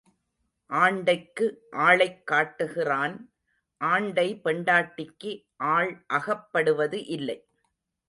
ஆண்டைக்கு ஆளைக் காட்டுகிறான் ஆண்டை பெண்டாட்டிக்கு ஆள் அகப்படுவது இல்லை.